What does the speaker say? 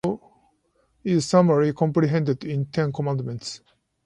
The moral law is summarily comprehended in the ten commandments.